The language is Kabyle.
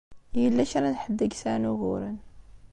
Yella kra n ḥedd i yesɛan uguren.